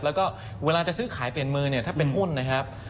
แล้วก็เวลาจะซื้อขายเปลี่ยนมือเนี่ยถ้าเป็นหุ้นนะครับ